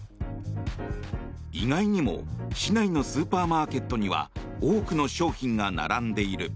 意外にも市内のスーパーマーケットには多くの商品が並んでいる。